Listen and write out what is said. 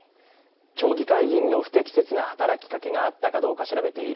町議会議員の不適切な働きかけがあったかどうか調べている